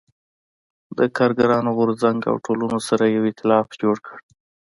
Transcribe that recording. د کارګرانو غو رځنګ او ټولنو سره یو اېتلاف جوړ کړ.